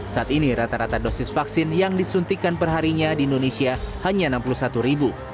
saat ini rata rata dosis vaksin yang disuntikan perharinya di indonesia hanya enam puluh satu ribu